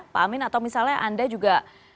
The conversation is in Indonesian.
pak amin atau misalnya anda juga